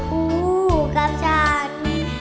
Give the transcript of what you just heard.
คู่กับฉัน